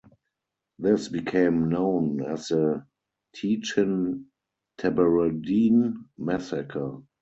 This became known as the Tchin-Tabaradene massacre.